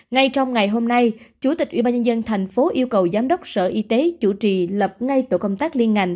ngay trong ngày hôm nay chủ tịch ubnd tp yêu cầu giám đốc sở y tế chủ trì lập ngay tổ công tác liên ngành